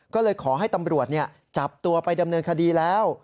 ก็เลยขอให้ตำรวจจับตัวไปดำเนินคดีแล้ว